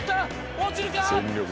落ちるか？